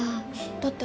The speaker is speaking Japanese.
だって